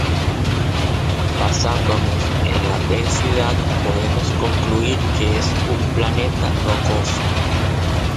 Basándonos en la densidad podemos concluir que es un planeta rocoso.